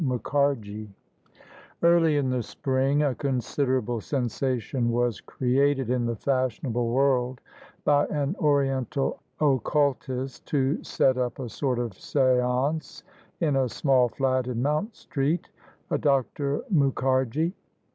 MUKHARJI Early in the spring a considerable sensation was created in the fashionable world by an oriental occultist who set up a sort of seance in a small flat in Mount Street — a, Dr. Muk harji.